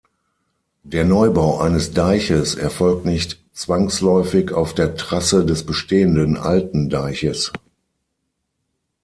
Der Neubau eines Deiches erfolgt nicht zwangsläufig auf der Trasse des bestehenden alten Deiches.